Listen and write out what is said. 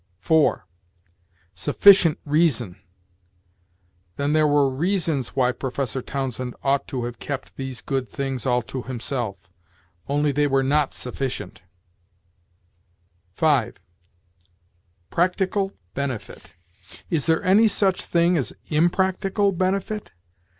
4. "Sufficient reason"! Then there were reasons why Professor Townsend ought to have kept these good things all to himself; only, they were not sufficient. 5. "Practical benefit"! Is there any such thing as impractical benefit?